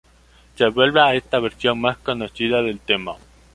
Se vuelva esta versión más conocida del tema.